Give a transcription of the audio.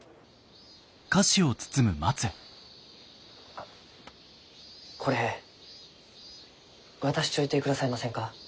あこれ渡しちょいてくださいませんか？